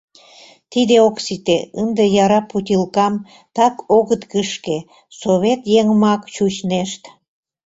Тиде ок сите, ынде яра путилкам так огыт кышке, совет еҥымак чучнешт.